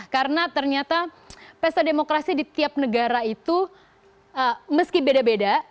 karena ternyata pesta demokrasi di tiap negara itu meski beda beda